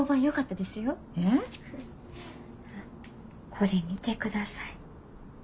これ見てください。